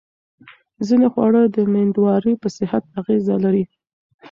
ځینې خواړه د مېندوارۍ په صحت اغېزه لري.